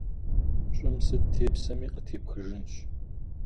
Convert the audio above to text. Щӏым сыт тепсэми, къытепхыжынщ.